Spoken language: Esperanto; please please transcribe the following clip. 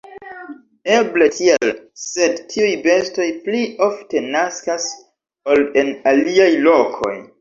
Eble tial, sed tiuj bestoj pli ofte naskas, ol en aliaj lokoj.